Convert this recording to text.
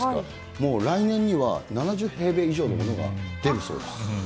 もう来年には７０平米以上のものが出るそうです。